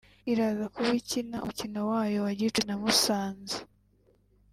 iraza kuba ikina umukino wayo wa gicuti na Musanze